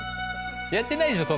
やってないでしょ